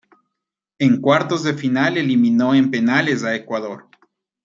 En cuartos de final eliminó en penales a Ecuador.